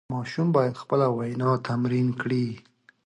ماشوم باید خپله وینا تمرین کړي.